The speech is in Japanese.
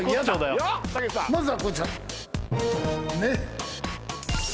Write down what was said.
まずはこちら。